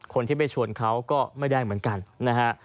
คนที่ไปชวนเขาก็ไม่ได้เหมือนกันนะฮะ